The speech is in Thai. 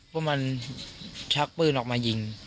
พวกมันชักปืนออกมายิง